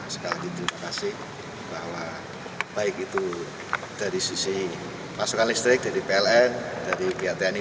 sekali lagi terima kasih bahwa baik itu dari sisi pasokan listrik dari pln dari pihak tni